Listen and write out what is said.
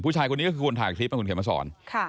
ผู้ชายคนนี้ก็คือคนถ่ายคลิปนะคุณเขียนมาสอน